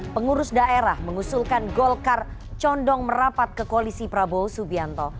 pengurus daerah mengusulkan golkar condong merapat ke koalisi prabowo subianto